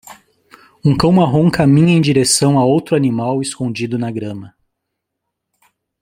Um cão marrom caminha em direção a outro animal escondido na grama.